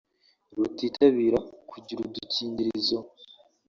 rutitabira kugura udukingirizo